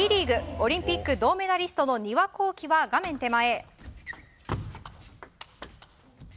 オリンピック銅メダリストの丹羽孝希は画面手前。